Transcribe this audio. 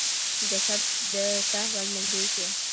جسد د ته ورنېږدې شو.